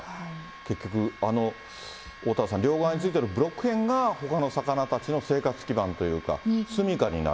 結局、おおたわさん、両側についてるブロックへんが、ほかの魚たちの生活基盤というか、住みかになる。